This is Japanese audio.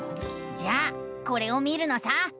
じゃあこれを見るのさ！